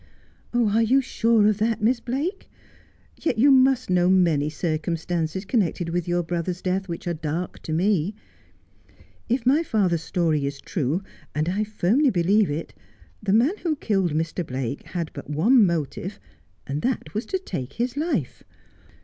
'Are you sure of that, Miss Blake? Yet you must know many circumstances connected with your brother's death which are dark to me. If my father's story is true, and I firmly believe it, the man who killed Mr. Blake had but one motive, and that The Yellow Ribbon. 93 was to take his life.